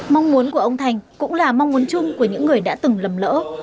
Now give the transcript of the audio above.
mong muốn của ông thành cũng là mong muốn chung của những người đã từng lầm lỡ